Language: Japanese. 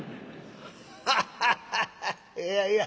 ハハハハいやいや